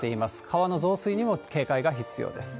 川の増水にも警戒が必要です。